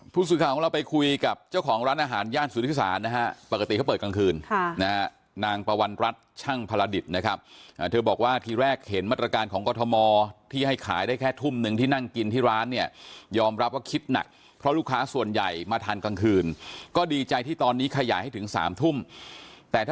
ผู้สื่อข่าวของเราไปคุยกับเจ้าของร้านอาหารย่านสุธิศาลนะฮะปกติเขาเปิดกลางคืนนางปวัณรัฐช่างพระดิษฐ์นะครับเธอบอกว่าทีแรกเห็นมาตรการของกรทมที่ให้ขายได้แค่ทุ่มนึงที่นั่งกินที่ร้านเนี่ยยอมรับว่าคิดหนักเพราะลูกค้าส่วนใหญ่มาทานกลางคืนก็ดีใจที่ตอนนี้ขยายให้ถึง๓ทุ่มแต่ท